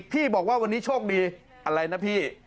พี่บอกว่าวันนี้โชคดีอะไรนะพี่